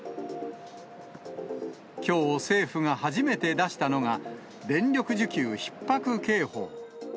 きょう、政府が初めて出したのが、電力需給ひっ迫警報。